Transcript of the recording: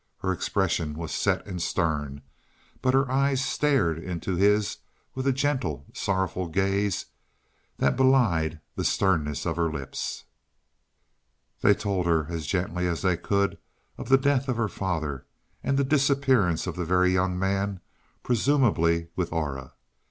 Her expression was set and stern, but her eyes stared into his with a gentle, sorrowful gaze that belied the sternness of her lips. They told her, as gently as they could, of the death of her father and the disappearance of the Very Young Man, presumably with Aura.